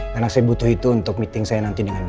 karena saya butuh itu untuk meeting saya nanti dengan dia